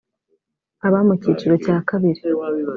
aba mu cyiciro cya kabiri